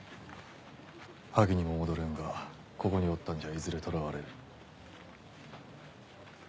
萩にも戻れんがここにおったんじゃいずれ捕らわれる。